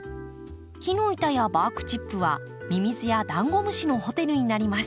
木の板やバークチップはミミズやダンゴムシのホテルになります。